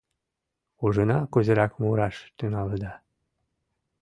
Ужына, кузерак мураш тӱҥалыда?»